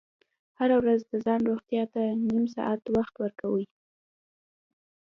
هره ورځ د ځان روغتیا ته نیم ساعت وخت ورکوئ.